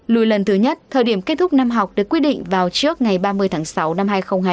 lùi lần thứ nhất thời điểm kết thúc năm học được quyết định vào trước ngày ba mươi tháng sáu năm hai nghìn hai mươi